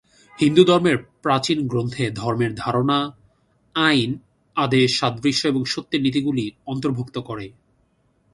হিন্দুধর্মের প্রাচীন গ্রন্থে, ধর্মের ধারণা আইন, আদেশ, সাদৃশ্য এবং সত্যের নীতিগুলি অন্তর্ভুক্ত করে।